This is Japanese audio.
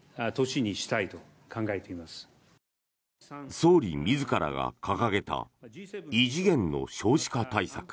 総理自らが掲げた異次元の少子化対策。